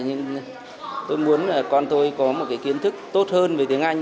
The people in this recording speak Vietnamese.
nhưng tôi muốn con tôi có một cái kiến thức tốt hơn về tiếng anh